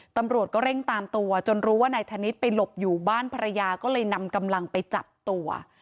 ตำรวจก็เร่งตามตัวจนรู้ว่านายธนิษฐ์ไปหลบอยู่บ้านภรรยาก็เลยนำกำลังไปจับตัว